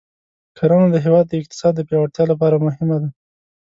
کرنه د هېواد د اقتصاد د پیاوړتیا لپاره مهمه ده.